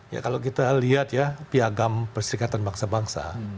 ya kalau kita lihat ya piagam perserikatan bangsa bangsa